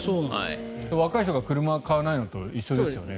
若い人が車を買わないのと一緒ですよね。